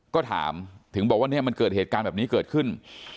ก็ถามถึงบอกว่าเนี่ยมันเกิดเหตุการณ์แบบนี้เกิดขึ้น